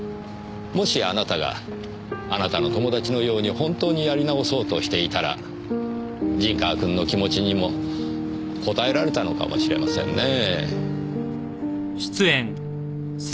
もしあなたがあなたの友達のように本当にやり直そうとしていたら陣川君の気持ちにも応えられたのかもしれませんねぇ。